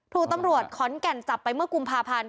ถูกตำรวจขอนแก่นจับไปเมื่อกุมภาพันธ์